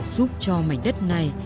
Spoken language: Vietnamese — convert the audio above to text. giúp cho mảnh đất này